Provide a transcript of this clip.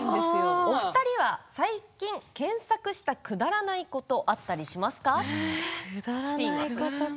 お二人は最近検索したくだらないことくだらないことか。